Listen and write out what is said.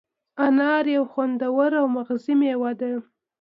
انار یو خوندور او مغذي مېوه ده.